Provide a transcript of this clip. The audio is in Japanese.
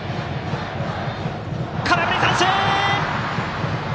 空振り三振！